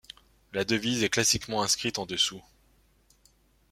La devise est classiquement inscrite en dessous.